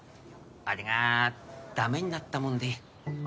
あれが駄目になったもんで。